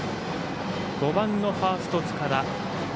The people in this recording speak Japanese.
５番のファースト塚田。